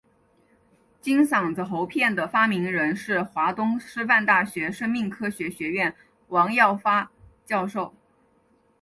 金嗓子喉片的发明人是华东师范大学生命科学学院王耀发教授。